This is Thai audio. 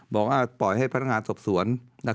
บอกว่าปล่อยให้พนักงานสอบสวน